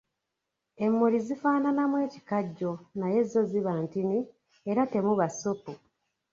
Emmuli zifaananamu ekikajjo naye zo ziba ntini era temuba ssupu.